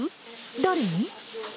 誰に？